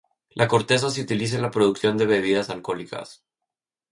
La corteza se utiliza en la producción de bebidas alcohólicas.